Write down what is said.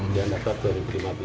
dia daftar dua ribu lima belas